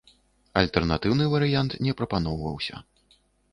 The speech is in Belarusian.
Альтэрнатыўны варыянт не прапаноўваўся.